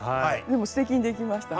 でもすてきにできました。